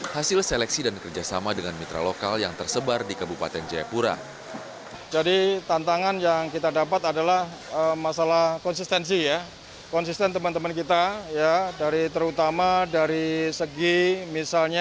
hasil seleksi dan kerjasama dengan mitra lokal yang tersebar di kabupaten jayapura